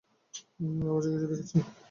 আভাসে কিছু দেখেছি।